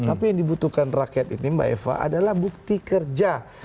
tapi yang dibutuhkan rakyat ini mbak eva adalah bukti kerja